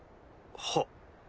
はっ？